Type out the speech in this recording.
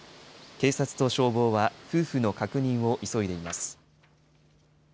警察と消防は、夫婦の確認を急いでいます。